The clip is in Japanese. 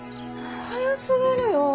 早すぎるよぉ。